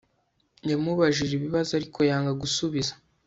yamubajije ibibazo, ariko yanga gusubiza